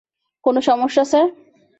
কোনও সমস্যা, স্যার?